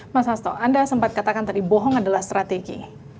mas hasto anda sempat katakan tadi bohong adalah strategi